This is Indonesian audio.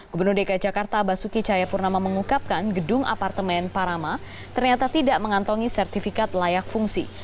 gubernur dki jakarta basuki cahayapurnama mengungkapkan gedung apartemen parama ternyata tidak mengantongi sertifikat layak fungsi